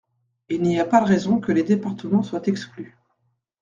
Il n’y a pas de raison que les départements soient exclus.